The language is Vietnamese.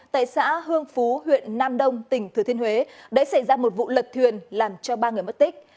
tại xã hương phú huyện nam đông tỉnh thừa thiên huế đã xảy ra một vụ lật thuyền làm cho ba người mất tích